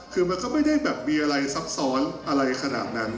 คือมันก็ไม่ได้แบบมีอะไรซับซ้อนอะไรขนาดนั้น